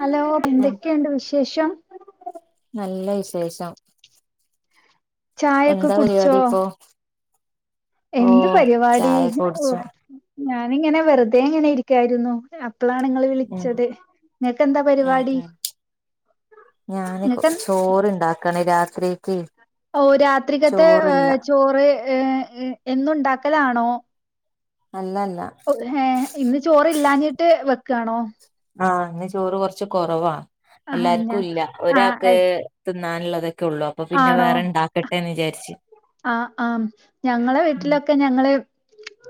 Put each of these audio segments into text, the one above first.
Hello ഉം എന്തൊക്കെണ്ട് വിശേ ശം നല്ല വിശേഷം ചായൊക്കെ എന്താ കുടിച്ചോ? പരിപാടി ഇപ്പൊ ഓ എന്ത് പരിപാടി ചായ കുടിച്ചു ഞാനിങ്ങനെ വെറ്തെ ങ്ങനെ ഇരിക്കായിര്ന്നു അപ് പ്പളാണിങ്ങള് ഉം വിളിച്ചത് ങ്ങക്കെന്താ ഉം പരിപാടി ഉം ങ്ങക്കെൻ ക്കണ് രാത്രീക്ക് ഓ രാത്രിക്കത്തെ ചോറ് ഹ് എന്നുൺ ണ്ടാക്കലാണോ? അല്ലല്ല ഒ ഏ ഇന്ന് ചോറില്ലാഞ്ഞിട്ട് വെക് ക്കാണോ ആഹ് ഇന്ന് ചോറ് കൊറച്ച് കൊറവാണ് ആ ഞാ എല്ലാർക്കും ഇല്യ ആ ഒരാക്ക് എ- തിന്ന [unintelligible] [unintelligible] ആണോ വേറെണ്ടാക്കട്ടേ വിചാര്ച്ച് ആഹ് ആഹ് ഞങ്ങളെ ഉം വീട്ടിലൊക്കെ ഞങ്ങള്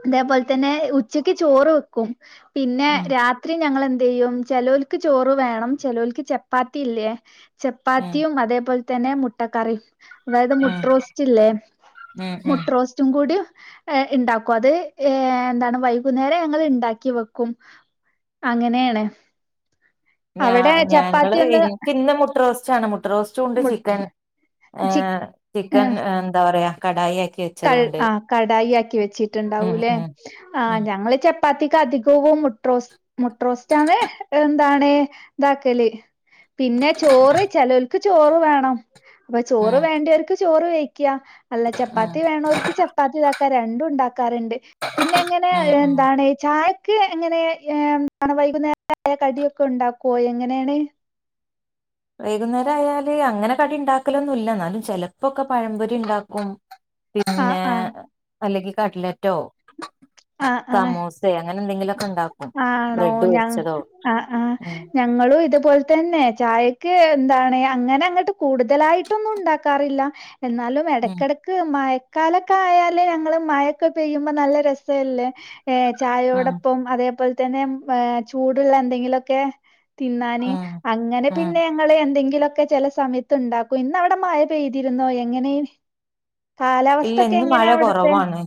ഇതേ പോൽതന്നെ ഉച്ചക്ക് ചോറ് വെക്കും പിന്നെ ഉം രാത്രി ഞങ്ങളെ യും ചെലോൽക്ക് ചോറ് വേണം ചെലോൽക്ക് ചപ്പാത്തി ഇല്ലേ ഉം ചാപ്പാത്തിം അതേ പോൽ തന്നെ മുട്ടക്കറിം വേഗ ഉം മുട്ട റോസ് ലേ ഉം ഉം മുട്ട റോസ്റ്റും പു ടി ഇണ്ടാകും അത് ഏ അത് വൈകുന്നേരം ഞങ്ങള് ഇണ്ടാക്കി വെക്കും അങ്ങനേണ് ഞാ അവിടെ ഞങ്ങള് ചപ്പാത്തി ഒന്ന് ഇൻക് ഇന്ന് മുട്ട റോസ്റ്റ് ചാണ് മുട്ട റോസ്റ്റും ഇണ്ട് മു ചിക്കൻ ചി ഏഹ് ചിക്കൻ എന്താ പറയാ? കടായി ആക് കട് കടായി ആക്കി ഉം വെച്ച്ട്ട്ണ്ടാവും ലേ ഉം ഉം ആഹ് ഞങ്ങൾ ചപ്പാ അധിക അധികോം മുട്ട റോസ് മുട്ട റോസ്റ്റാണ് ട്ടാണ് ഇതാകള് പിന്നെ ചോറ് ചെലോൽക്ക് ചോറ് വേണം അപംചോറ് ഉം വേണ്ടോൽക്ക്ചോറ് ക്യാ അല്ല ചപ്പ ഉം ത്തി വേണോൽക്ക് ചപ്പാത്തി താക്കാ രണ്ടും ഇണ്ടാക്കാ പറി ണ്ട്പിന്നെ എങ്ങനെ ഉം ഉം എന്താണ് ചായ ക്ക്‌ എങ്ങനെ വൈകുന്നേരം കടിഒക്കെ ഇണ്ടാക്കോ എങ്ങനാണ്? വൈകുന്നാര ആയാല് അങ്ങനെ കടി ഇണ്ടാക്കലൊന്നും ഇല്ല ചെലപ്പഴക്കെ പയം പൊരി ഇണ്ടാകും ആ പിന്നെ ആ അല്ലങ്കി കട്ലറ്റോ ആ ആ സമൂസെ അങ്ങ എന്തങ്കി ആണോ ഞങ്ങ അ ഉം അഞങ്ങളും ഇതി പോൽ തന്നെ ചായക്ക് എന്താണ് അങ്ങനെ അങ്ങണ്ട് കൂടുതലായിട്ടൊന്നും ണ്ടക്കാറില്ല എന്നാലും ഉം എടക്ക് എടക്ക് മയ കാലക്കായാല് ഞങ്ങള് മഴയൊക്ക പെയ്യുമ്പോൾ നല്ല രസല്ലെ ഏ ഉം ചായോടപ്പം അതെ ഇപ്പോൾ തന്നെ ചൂടുള്ള എന്തെങ്കിലൊക്കെ തിന്നാണ് ഉം അങ്ങനെ ഉം പിന്നെ ഞങ്ങള് എന്തെ ലൊക്കെ ചെലസമയത്ത്ണ്ടാക്കും ഇന്ന് അവടെ മഴ പെയ്തിരുന്നോ എങ്ങനെ കലാവസ്ഥ ഇല്ല ഒക്കെ ഇന്ന് എങ്ങിനെ മഴ അവിടെത്തെ കുറവാണ്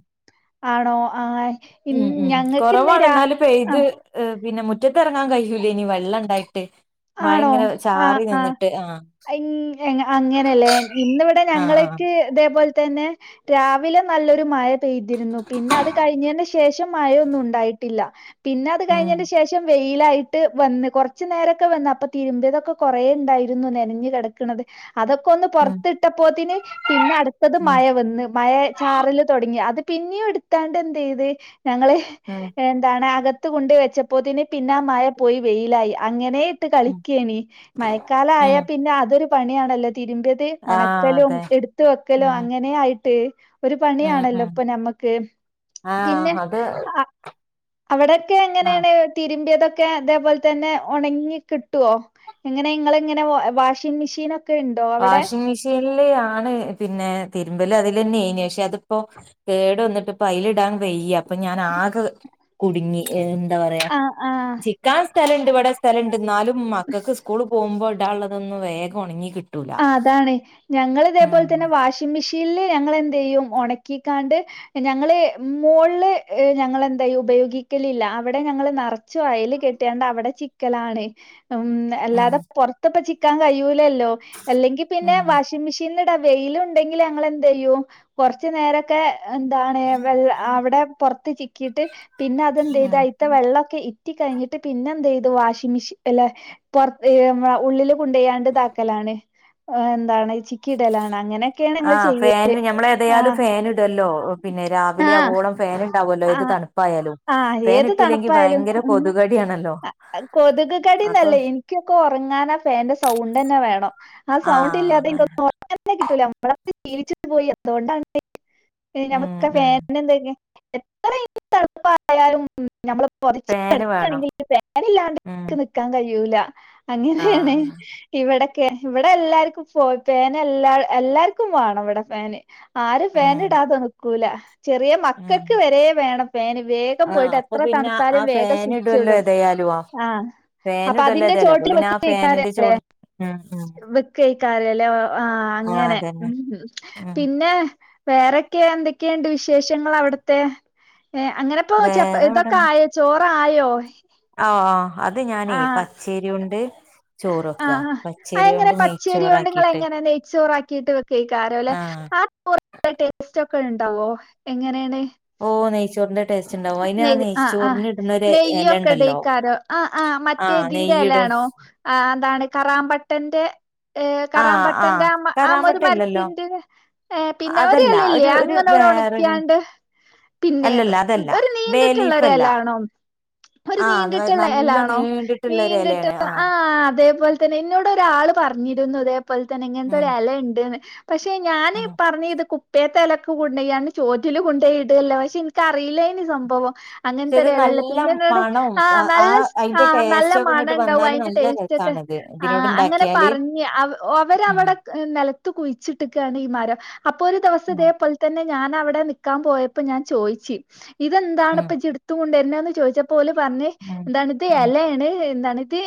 ആണോ ആഹ് ഇൻ ഉം ഉം ഞങ്ങക്കിന്ന് കൊറവാണ് രാ എന്നാലും പെയ് ആ പെയ്ത് പിന്നെ മുറ്റത്തറങ്ങാൻ കയ്യൂലേനി വെള്ളണ്ടായിട്ട് ആണോ അ അ ആഹ് ഇഞ് അങ്ങനെ ലെ ഇന്ന് ഇവിടെ ആഹ് ആഹ് ഞങ്ങളക്ക് ഇതെ പോ തന്നെ രാവിലെ നല്ല ഒരു മഴ പെയ്തിരുന്നു പിന്നെ അത് കഴിഞ്ഞേന് ശേഷം മഴയൊന്നുണ്ടായിട്ടില്ല പിന്നെ അത് ഉം കഴിഞ്ഞെന്റെ ശേഷം വെയ് ലായിട്ട് വന്ന് കൊർച്ച് നേരം ഇക്ക വന്ന് അപ്പ തിരിമ്പിയതൊക്കെ കൊറെ ണ്ടായിരുന്നു നെനഞ്ഞ് കെട്ക്ക്ണത്- അത് ഒക്കെ ഒന്ന് ഉം പൊറത്ത് ട്ടപ്പോത്തിന് പിന്നെ അടുത്തത് ഉം മഴവന്ന് മഴചാറല് തൊടങ്ങി അത്- പിന്നെടുത്താണ്ട് എന്ത് ചെയ്ത്- ഞങ്ങള് ഉം എന്താണ്അകത് ത്തുകൊണ്ട് വെച്ച പോത്തിന് പിന്നാ മഴ പോയി- വെയിലായി അങ്ങനെ- ഉം ട്ട്കളിക്കാണ് മയക്കാലാ ഉം ആയപിന്നെയതൊര് പണിയാണല്ലോ? തിരുമ്പിയത് ആഹ് ഒണക്കലും അതെ എടുത്ത് വെക്കലും ഉം അങ്ങനെ ആയിട്ട്- ഒരു ഉം പണിയാണല്ലോ ഉം ഇപ്പ ഞമ്മക്ക് പിന്നെ ആഹ് അത് ആ- അവിടെക്കെ ആ എങ്ങിനെണ് തിരുമ്പിയതൊക് തൊക്കെ അതെ പോലെ തന്നെ ഒണങ്ങി- കിട്ടോ എങ്ങനെ ഇങ്ങള് ങ്ങനെ വാഷിമെഷിനൊക്- വാഷിംഗ് മെഷീനിലെയാ- ഞാന് പിന്നെ തിരമ്പല് അതിലെന്നെയിരിന്ന് പ ക്ഷേഅത്പ്പോ കേട് വന്നിട്ട് അതില് ടാൻ വയ്യ ഞാനിപ്പോ ആകെ കുടുങ്ങി- ന്താപറയാ ആഹ് ആഹ് ചിക്കാ തലണ്ട് ഇവടെ സ്ഥലണ്ട് ന്നാലും മക്കക്ക് സ്കൂള് പോകുമ്പോ ഇട് ടാള്ളതൊന്നും വേഗം ഒണ്ങ്ങി കിട്ടൂ ആതാണ് ഞങ്ങള് ഇതേപോലത്തന്നെ വാഷിങ് മിഷ് ഇല്ല് ഞങ്ങളെന്തേയ്യും ഒണക്കിക്കാണ്ട് ഞങ്ങള് മോള്ല് ഞങ്ങളെന്തേയ്യും ഉപയോഗിക്കലില്ല അവിടെ ഞങ്ങള് നറച്ചും അയല് കെട്ട്യാണ്ട് അവിടെ ചിക്കലാണ് ഉം എല്ലാര ഉം പൊർത്ത പ്പ ചിക് ക്കാൻ കയ്യൂല്ലല്ലോ അല്ലെങ്കി പിന്നേ ഉം വാഷിങ് മിഷീൻ ല് ല്ല വെയില്ണ്ടങ്ങി ഞങ്ങളെന്ധെയ്യും കൊർച്ച് നേരൊക്കെ എന്താണ് വെള്ള ആവിടെ പൊർത് ചിക്കീട്ട് ഉം പിന്നതെന്ദ്യ്ത് അയിതെ വെള്ളൊക്കെ ഇറ്റ് റ്റികഴിഞ്ഞിട്ട് പിന്നെന്ധെയ്തു വാഷിങ് മിഷീ അല്ല പൊർത് മ്മളെ ഉള്ളില് കൊണ്ടായാണ്ട് താക്കലാണ് ഏ എന്താണ് ചിക്കിടലാണ് ആ ഫാന് ഞമ്മള് ഏതായാലും ആഹ് ഫാന്ടല്ലോ പിന്നെ ആഹ് രാവിലാവോളം ഫാന് ഇട് ആഹ് ആഹ് ഏത് ഇട്ടില്ലെങ്കിൽ തണുപ്പായാലും ഭയങ്കര കൊതുകടിയാണല്ലോ അ അ കൊതുക് അപ്പൊ കടിന്നല്ല ഇൻക്കൊക്കാറങ്ങാ നാ ആ ഫാനിന്റെ സൗണ്ടന്നെ വേണം അ സൗണ്ടില്ലാതെ ആഹ് ഇൻക്കൊന്നും ഉറങ്ങാനാന്നെ കിട്ടൂല ഉം ഉം [unintelligible] [inaudible] [unintelligible] ഞമ്മള് പൊതച് ഫാന് വേണം കെടക്കാണേലും ഫാനില്ലാതെ ഉം ഇന്ക് നിക്കാന് കഴിയൂല അങ്ങനാണ് ആഹ് ഇവടെ ക്കെ ഇവടെല്ലാർക്കും ഫോ ഫേനെല്ലാ എല്ലാർക്കും വാണം വടെ ഫേന് ആര് ഉം ഫേനിടാതെ നിക്ക് ക്കൂല ചെറിയ മക്ക് ഉം ക്കക്ക് വരെ വേണം ഫേന് വേഗം ആഹ് പോയിട്ട് അപ്പൊ എത്ര പിന്നെ ആ തണുത്താലും വേഗം ഫാൻ ഇടുവല്ലോ സ്വിച്ചിടും ഏതായാലും ആ ആഹ് ഫാൻ അപ്പൊ ഇടുവല്ലോ അതിന്റെ ഏതായാലും അപ്പൊ ചോട്ടില് പിന്നെ ആ നിക്കയ്ക്കാരം ഫാനിന്റെ ലേ ചോട് ഉം ഉം വിക്കായ്ക്കാര ലോ ആഹ് അങ്ങനെ ഉം ഉം പിന്നേ വേറെക്കെ എന്തക്കേണ്ട് വിശേഷാങ്ങള് അവിട തെ ഏ അങ്ങനപ്പോ ചപ് വേറെ ഇതൊക്കെ ആയോ ചോറാ--യ് യൊ ആ അത്‌ ഞാനേ പച്ചയ്ര്യോണ്ട് ആഹ് ആഹ് അയെങ്ങനെ പച്ചര്യോണ്ട് ഇങ്ങളെ നെയ്ച്ചോറാക്കിട്ട് ങ്ങനെ നെയ്ച്ചോറാക്കിട്ട് വെക്കെകാരലെ ആഹ് [unintelligible] ടെസ്റ്റ് ക്കെണ്ടാവോ എങ്ങനെണ്? ഓ നെയ്ച്ചേറിൻ്റെ നെയ്യ് ആഹ് ആഹ് ഇല നെയ്യൊക്കെ ഉണ്ടല്ലോ ടെക്കാരം ആഹ് ആഹ് മറ്റേതിൻ്റെ എലാണോ ആ ന്താണ് കറാമ്പട്ടൻ്റെ അ് ആഹ് ആഹ് കറാമ്പട്ടൻ്റെ ആ മ ആ മൊര് കറാമ്പട്ട ഇല്ലല്ലോ മരത്തിൻ്റെ അ് പിന്നെ ഒര് അതല്ല എലല്ലെ ഒരു ഒരു വേറൊരു അങ്ങനൊരൊണക്ക്യാണ്ട് പിന്നെത് അല്ലല്ല അതല്ല ഒരു ബേലീഫ് അല്ല നീണ്ടിട്ട്ള്ളൊരെലാണോ ഒര് ആഹ് നീണ്ടിട്ട് നല്ല എലാണോ നീണ്ടിട്ടുള്ള ഒരു നീണ്ടിട്ട് ഇലയാണ് ആ ആഹ് അതേപോല് തന്നെ ഇന്നോട് ഒരാള് പർഞ്ഞിരുന്നു അതെ പോല് തന്നെ ഉം ഇങ്ങൻത്തൊരെലണ്ട് ന്ന് പക്ഷെ ഞാന് ഉം പർഞ്ഞെയ്ത് കു ഇപ്പേഴെത്തെ എലെക്കെ കൊണ്ടേയാണ്ട് ചോറ്റില് കൊണ്ടോയി ഇടല്ലെപക്ഷെ ഇൻക്കറിയില്ലേ നി സംഭവോ പക്ഷെ ഇത് അങ്ങൻത്തൊരലല്ലേ നല്ല പിന്നെ ന്നോട് മണവും ആ നല്ല സ് ആ അതിന്റെ നല്ല ടേസ്റ്റ് ഒക്കെ മണ ഇങ്ങോട്ട് ണ്ടാവും വന്നാല് അയിന്റെ നല്ല ടേസ്റ്റൊക്കെ രസാണിത് ഇതിനോട് ആഹ് അങ്ങനെ ഉണ്ടാക്കിയാല് പർഞ്ഞ് അവ ഉം ഒവരവടെ നെല ത് കുയ്ച്ചിട്ട്ക്കാണീ മരം. അപ്പോ ഒരു ഉം ദിവസതേപോൽ തന്നെ ഞാൻ അവടെ നിക്കാൻ പോയപ്പോ ഞാൻ ചോയിച്ചി ഇതെന്താണ് ഉം ഇപ്പ ഇജ്ജ് ടുത്തുണ്ട [unintelligible] ചോദിച്ച പോലെ പറഞ് ഉം എന്താണ് ഇത് ഉം എലെ ണ് എന്താണ് ഇത്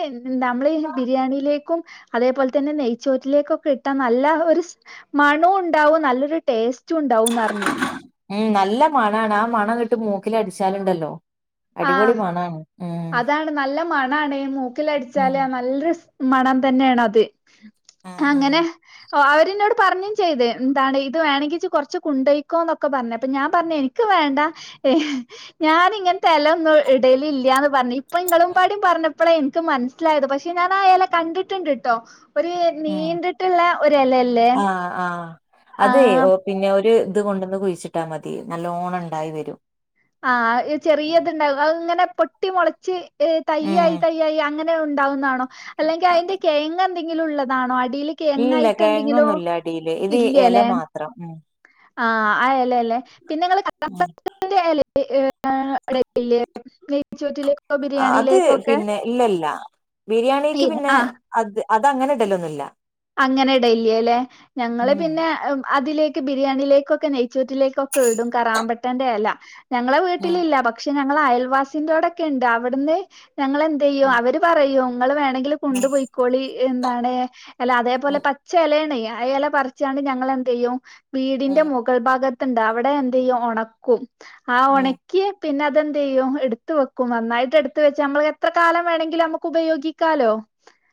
നമ്മള് ബിരിയാണിയിലേക്കും അതേപോലെ തന്നെ നെയ്ചോറ്റിലേക്ക് ഇട്ടാ മണം ഇണ്ടാവും നല്ല ടെസ്റ്റ്‌ ഇണ്ടാവും പറഞ്ഞി ഉം നല്ല മണാണ് ആ മണ ങ്ങട്ട് മൂക്കിൽ അടിച്ചാൽ ഇണ്ടല്ലോ അടിപൊളി ആഹ് മണാണ് ഉം ന്ന ടെ മു ഉം ക്കിലടിച്ചാല് നല്ല രു സ് മണം തന്നെയണ അത് ആഹ് ആഹ് അങ്ങനെ ഓ അവര് ഇന്നോട് പറഞ്ഞും ചെയ്ത് എന്താണ് ഇത് വേണങ്കിൽ കൊറച്ച കുണ്ടയ്ക്കോ ന്നൊക്കെ പറഞ്ഞ് അപ്പൊ ഞാൻ പറഞ്ഞ് എനിക്ക് വേണ്ട ഏഹ് ഞാനിങ്ങെ തലം ഒന്നും ഇടൽ ഇല്ല ഇപ്പൊ ഇങ്ങളും പാടീം പർ പ്ലേ എനിക്ക് മനസ്സിലായത് പക്ഷെ ഞാൻ ആ എല കണ്ടിട്ട് ണ്ട് ട്ടോ ഒരു ഉം നീണ്ടിട്ട് ള്ള ഒരു എലല്ലേ ആഹ് ആഹ് അതെ ഓ പിന്നെ ഒരു ഇത് കൊണ്ട് ന്ന് കുഴിച്ചിട്ടാ മതി നല്ലോണം ഉണ്ടായി വരും ആഹ് ചെറിയത് ഉണ്ടാകും ആഹ് അത് ഇങ്ങനെ പൊട്ടി മുളച്ച് ഏ തയ്യായി ഉം തയ്യായി അങ്ങനെ ഉണ്ടാകുന്നതാണോ ആ അല്ലെങ്കിൽ അതിന്റെ കിഴങ്ങു ഉള്ളതാണോ അടീല് ഇല്ല കെഴങ്ങായിട്ട് കിഴങ്ങു എന്തെങ്കിലോ ഒന്നും ഇല്ല അടീൽ ഇത് ഇല മാത്രം ആ ആ ഇല അല്ലെ പിന്നെ ഉം [unintelligible] അവിടെ എത്തിലെ ചോറ്റിലെ ആ അത് പിന്നെ ഇല്ല ഇല്ല ബിരിയാണിക്ക് ഈ പിന്നെ ആ അത് അങ്ങനെ ഇടൽ ഒന്നും ഇല്ല അങ്ങനെ ഇടൽ ഇല്ല അല്ലെ ഞങ്ങൾ ഉം പിന്നെ അതിലേക്ക് ബിരിയാണിയിലേക്ക് ഒക്കെനെയ്‌ച്ചോറ്റ്റിലേക്കൊക്കെ ഇടും കരാമ്പട്ട ന്റെ ഇല ഞങ്ങളെ വീട്ടിൽ ഉം ഇല്ല പക്ഷെ ഞങ്ങളെ ഞങ്ങളെ അയൽവാസിന്റോടെ ഒക്കെ ഉണ്ട് അവിടുന്ന് ഞങ്ങൾ എന്ത് ചെയ്യും ഉം അവർ പറയും ഇങ്ങള് വേണങ്കിൽ കൊണ്ട് പോയിക്കോളി മ്മ് എന്താണ് ന്ന് അല്ല അതെ പോലെ ഉം പച്ച ഇല ആണേ ആ ഇല പറിച്ചുക്കാണ്ട് ഞങ്ങൾ എന്ത് ചെയ്യും വീടിന്റെ ഉം മുകൾ ഭാഗത്ത്‌ ത്ത് ഉണ്ട് അവിടെ ഉണക്കും ആ ഉം ഉം ഉണക്കി പിന്നെ അത് എന്ത് ചെയ്യും എടുത്തു വെക്കും നന്നായിട്ട് എടുത്തു വെച്ചാൽ ഞമ്മൾ എത്ര കാലം വേണമെങ്കിലും ഞമ്മക്ക് ഉപയോഗിക്കലോ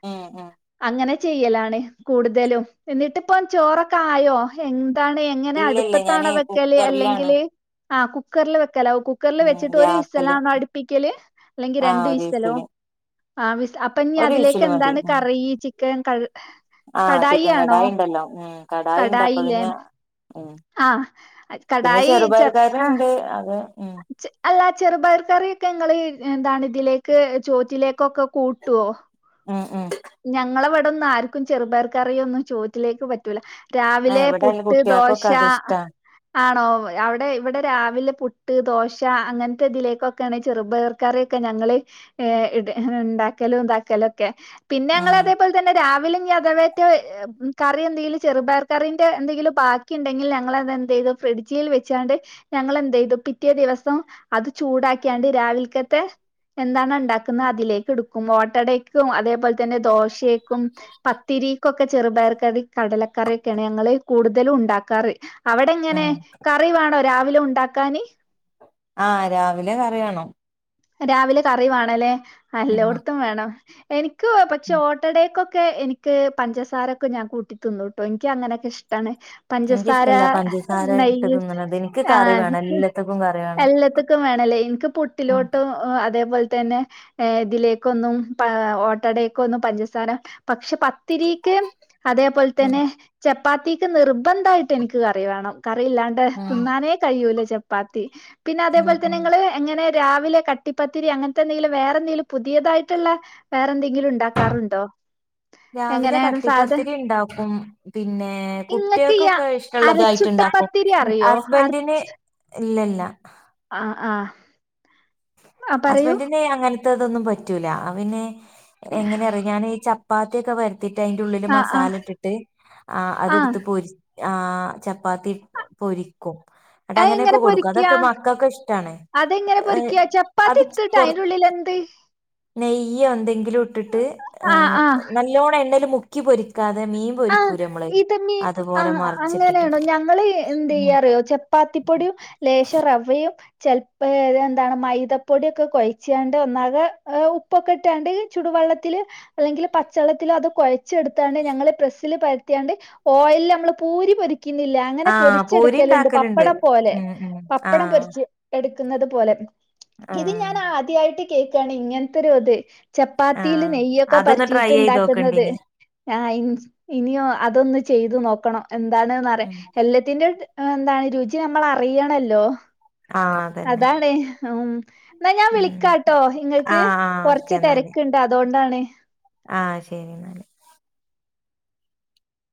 ഉം ഉം അങ്ങനെ അങ്ങനെ ചെയ്യലാണ് കൂടുതലും എന്നിട്ട് ഇപ്പോം ചോർ ഒക്കെ ആയോ എന്താ എന്താണ് എങ്ങനെ ഇല്ല ഇല്ല അടുപ്പത്തു ഞാന് ആണോ വെക്കൽ അല്ലെങ്കിൽ കുക്കറിലാണ് ആ കുക്കറിൽ വെക്ക് വെക്കലാവും കുക്കറിൽ ഉം വെച്ചിട്ട് ഒരു വിസൽ ഗ്യാസില് ആണോ അടുപ്പിക്കൽ അതോ ആഹ് രണ്ട് ഒരു വിസലോ വിസില് ആ വിസിൽ അപ്പൊ ഇനി ഒരു അതിലേക്ക് എന്താണ് കറി ചിക്കൻ [unintelligible] ആ ചിക്കൻ കടായി ഇണ്ടല്ലോ ഉം കടായി ഇണ്ട് അപ്പോ കടായില്ലേ? പിന്നെ ഉം ആഹ് പിന്നെ കടായി ചെറു ചെ പയർ കറി ആഹ് ഇണ്ട് അത് ഉം [unintelligible] അല്ല ചെറു പയർ കറിയൊക്കേ ങ്ങള് എന്താണ് ഇതിലേക്ക് ചോറ്റിലേക്ക് ഒക്കെ കൂട്ടുവോ ഉം ഉം ഞങ്ങളിവ ഇവിടൊന്നും ആർക്കും ചെറു പയറ് കറിയൊന്നും ചോറ്റിലേക്ക് പറ്റൂല ആഹ് രാവിലെ ഇവിടെ പുട്ട്, ദോശ കുട്ടികൾക്കൊക്കെ അത് ഇഷ്ടാ ആണോ ഇവിടെ രാവിലെ [unintelligible] പുട്ട്, ദോശ അങ്ങനത്തെ ഇതിലേക്കൊക്കെയാണ് ചെറുപയറ്കറിക്കറൊക്കെ ഞങ്ങള് ഇണ്ടാക്കലും ഇതാക്കലൊക്കെ പിന്നെ ഞങ്ങള് ഉം അതേപോലെ തന്നെ രാവിലെ വേറ്റ കറി [unintelligible] എന്തെങ്കിലും ചെറുപയറ് കറിന്റെ എന്തെങ്കിലും ബാക്കി ഇണ്ടെങ്കിൽ ഞങ്ങളതെന്തലും ഫ്രിഡ്ജിൽ വെച്ചാണ്ട് ഞങ്ങളെന്ത ചെയ്തു പിറ്റെ പിറ്റേ ദിവസം അത് ചൂടാക്കിയാണ്ട് രാവിലക്കത്തെ എന്താണ് ഉണ്ടാക്കുന്നത് അതിലേക്ക് എടുക്കും വോട്ടട അതേപോലെ തന്നെ ദോശക്കും പത്തിരിക്കൊക്കെ ചെറുപയർ കടലക്കറിക്കയാണ് ഞങ്ങള് കൂടുതലും ഉണ്ടാക്കാറ് അവിടെ ഇങ്ങനെ ഉം കറി വേണോ രാവിലെ ഉണ്ടാക്കാന് ആ രാവിലെ കറി വേണം രാവിലെ കറി വേണംല്ലേ ഉം എല്ലോടത്തും വേണം എനിക്ക്- [unintelligible] പക്ഷേ ഉം ഓട്ടടയൊക്കെ ക്കെ എനിക്ക് പഞ്ചസാരൊക്കെ ഞാൻ കൂട്ടി തിന്നോ ട്ടോ എനിക്ക് അങ്ങനെയൊക്കെ ഇഷ്ടമാണ് പഞ്ചസാര എനിക്കിഷ്ടല്ല പഞ്ചസാര ഇട്ട് നെയ്യ് തിന്നണത് എനിക്ക് ആ കറി വേണം എല്ലാത്തക്കും കറി വേണം എല്ലാത്തക്കും വേണല്ലേ എനിക്ക് ഉം പുട്ടിലോട്ട് അതേപോലെ തന്നെ ഇതിലേക്കൊന്നും ഓട്ടടക്കൊന്നും പഞ്ചസാര പക്ഷേ പത്തിരിക്ക് അതേപോലെ ഉം തന്നെ ച ചപ്പാതിക്ക് നിർബന്ധമായിട്ട് എനിക്ക് കറി വേണം കറിയില്ലാണ്ട് ഉം തിന്നാനേ കഴിയൂലേ ച ചപ്പാത്തി പിന്നെ ഉം അതേപോലെ തന്നെ ഉം ഇങ്ങള് എങ്ങനെ രാവിലെ- കട്ടിപ്പത്തിരി അങ്ങനത്തെ എന്തെങ്കിലും വേറെ എന്തെങ്കിലും പുതിയതായിട്ടുള്ള വേറെന്തെങ്കിലും ഇണ്ടാക്കാറുണ്ടോ രാവിലെ കട്ടിപ്പത്തിരി ഉണ്ടാക്കും പിന്നെ ഇങ്ങക്ക് ഈ കുട്ടികൾക്കൊക്കെ ഇഷ്ടമുള്ളതായിട്ട് ഇണ്ടാക്കും അരച്ചുട്ടപ്പത്തിരി അറിയോ അര ഹസ്ബൻഡന് ഇല്ലില്ല ആ ആ ആ പറയൂ ഹസ്ബൻറിൻ്റെ അങ്ങനെ ഇത് അതൊന്നും പറ്റൂല അവന് പിന്നെ എങ്ങനെയറിയ ഞാൻ ഈ ചപ്പാത്തിയൊക്കെ വ [unintelligible] ത്തിട്ട് അതിന്റെ ഉള്ളിൽ ആ ആ മസാല ഇട്ടിട്ട് ആ അത് എടുത്ത് പൊരി ആ ചപ്പാത്തി പൊരിക്കും എടാ അതെങ്ങനെ അങ്ങനൊക്കെ കൊടുക്കും പൊരിക്ക്യാ? അതൊക്കെ മക്കൾക്ക് ഇഷ്ട്ടാണ് ഇഹ് പത്തിരി [unintelligible] എടുത്തിട്ട് അതിന്റെ ഉള്ളിൽ എന്ത് നെയ്യോ എന്തെങ്കിലും ഇട്ടിട്ട് ഏഹ് നല്ലോണം എണ്ണയിൽ മുക്ക്- മുക്കി പൊരി അ ഇത് മീൻ അതുപോലെ മറിച്ചിട്ടിട്ട്. അങ്ങനെണോ ഞങ്ങള് എന്ത് ഉം. ചെയ്യാറിയോ ചപ്പാത്തി പൊടിയും ലേശം റവയും ചെല്പഴെന്താന്ന് മൈദപ്പൊടി ഒക്കെ കൊഴച്ചാണ്ട് ഒന്നാകെ ഉപ്പ് ഒക്കെ ഇട്ടാണ്ട് ചൂടുവെള്ളത്തിൽ അല്ലെങ്കിൽ പച്ചവെള്ളത്തിൽ അത് കൊഴച്ചെടുത്താണ്ട് ഞങ്ങൾ പ്രസ് [unintelligible] സിൽ പരത്യാണ്ട് ഓയിൽല് നമ്മൾ പൂരിപൊരി ക്കിന്നില്ലേ [unintelligible] അങ്ങനെ ആ പൂരി പൊരിച്ചെടുക്കലുണ്ട് ഉണ്ടാക്കലുണ്ട്. പപ്പടം പോലെ ഉം ഉം ആ പപ്പടം പൊരിച്ച് എടു എന്നത് പോലെ ഇത് ഞാൻ ആ ആദ്യായിട്ട് കേ എക്കാണി ഇങ്ങത്തെ ഒരു ഇത് ചപ്പാത്തിയിൽ ആഹ് നെയ്യൊക്കെ അതൊന്ന് ട്രൈ പരത്തിയിട്ട് ചെയ്ത് ഉണ്ടാക്കുന്നത് [inaudible] നോക്കണ്ടിനി അതൊന്ന് ചെയ്തു നോക്കണം എന്താണെന്ന് അറിയാ എല്ലത്തിന്റും ആ എന്തായാലും രുചി നമ്മൾ അറിയണല്ലോ ആഹ് അതന്നെ അതാണ് ഉം എന്നാ ഞാൻ ഉം വിളിക്കാട്ടോ നിങ്ങൾക് ആഹ് ആഹ് കുറച്ച് തിരക്കുണ്ട് അതോണ്ടാണ് ആ ശെരിന്നാൽ